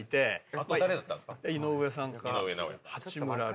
あと誰だったんですか？